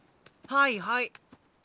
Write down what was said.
はいはい。